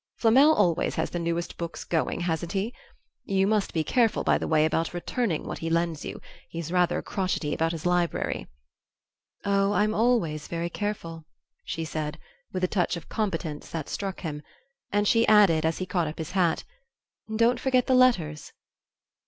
"Flamel always has the newest books going, hasn't he? You must be careful, by the way, about returning what he lends you. He's rather crotchety about his library." "Oh, I'm always very careful," she said, with a touch of competence that struck him; and she added, as he caught up his hat: "Don't forget the letters."